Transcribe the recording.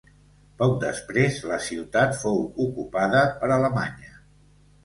Poc després la ciutat fou ocupada per Alemanya.